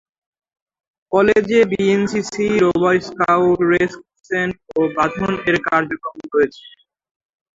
কলেজে BNCC, rover scout, red crescent ও বাঁধন-এর কার্যক্রম রয়েছে।